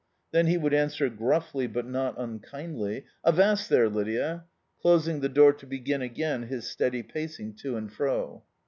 Then he would answer gruffly, but not unkindly — "Avast there, Lydia," closing the door to begin again his steady pacing to and fro.